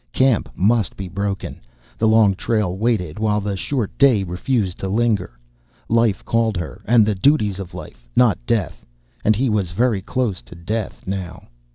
Camp must be broken. The long trail waited while the short day refused to linger. Life called her, and the duties of life, not death. And he was very close to death now.